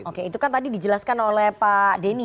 oke itu kan tadi dijelaskan oleh pak denny